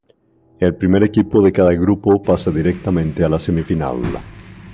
El primer equipo de cada grupo pasa directamente a la semifinal.